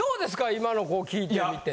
今の聞いてみて。